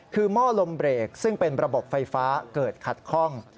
คือหม้อลมเบรกซึ่งเป็นระบบไฟฟ้าเกิดขัดข้อง